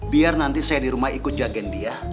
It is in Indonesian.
biar nanti saya di rumah ikut jagen dia